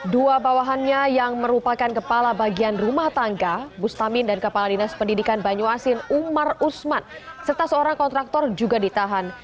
dua bawahannya yang merupakan kepala bagian rumah tangga bustamin dan kepala dinas pendidikan banyuasin umar usman serta seorang kontraktor juga ditahan